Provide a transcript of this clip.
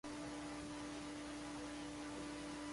Precisamos andar descalços na grama.